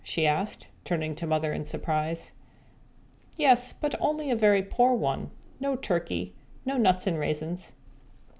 she asked, turning to Mother in surprise. "Yes, but only a very poor one; no turkey, no nuts and raisins."